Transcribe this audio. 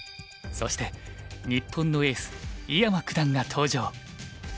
そして日本のエース井山九段が登場。